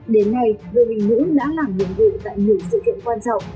đến nay đội bình nữ đã làm nhiệm vụ tại nhiều sự kiện quan trọng